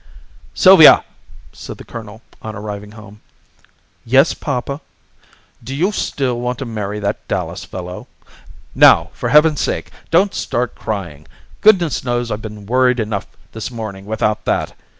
"Sylvia!" said the colonel, on arriving home. "Yes, papa." "Do you still want to marry that Dallas fellow? Now, for Heaven's sake, don't start crying! Goodness knows I've been worried enough this morning without that.